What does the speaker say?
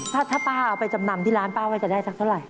ถ้าป้าเอาไปจำนำที่ร้านป้าว่าจะได้สักเท่าไหร